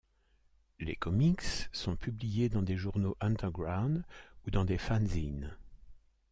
Les comix sont publiés dans des journaux underground ou dans des fanzines.